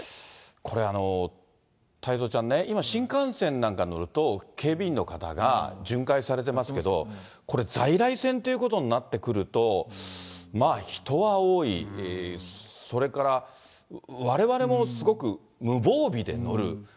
これ、太蔵ちゃんね、今、新幹線なんか乗ると、警備員の方が巡回されてますけど、これ、在来線っていうことになってくると、まあ人は多い、それからわれわれもすごく無防備で乗る。